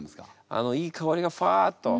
あのいい香りがふわっと。